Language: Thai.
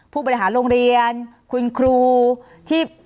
ผู้บริหารโรงเรียนคุณครูที่